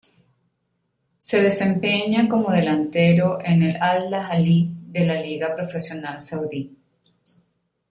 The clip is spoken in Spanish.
Se desempeña como delantero en el Al-Ahli de la Liga Profesional Saudí.